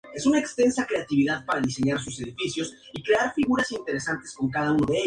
La especie pone de dos a tres huevos.